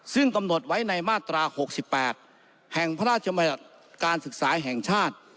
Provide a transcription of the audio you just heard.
ซึ่งกำหนดไว้ในมาตรา๖๘แห่งพระราชการศึกษาแห่งชาติ